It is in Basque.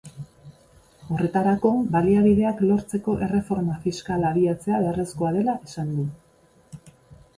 Horretarako, baliabideak lortzeko erreforma fiskala abiatzea beharrezkoa dela esan du.